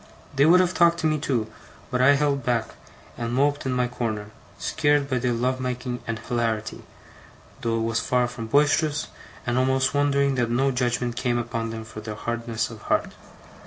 They would have talked to me too, but I held back, and moped in my corner; scared by their love making and hilarity, though it was far from boisterous, and almost wondering that no judgement came upon them for their hardness of heart.